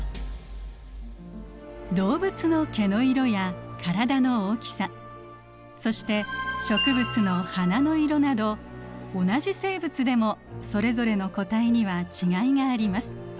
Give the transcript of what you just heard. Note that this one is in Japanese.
動物の毛の色や体の大きさそして植物の花の色など同じ生物でもそれぞれの個体には違いがあります。